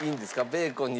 ベーコンに。